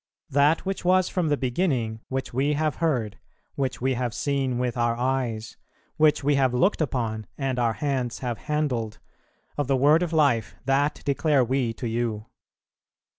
"That which was from the beginning, which we have heard, which we have seen with our eyes, which we have looked upon, and our hands have handled, of the Word of life, that declare we to you."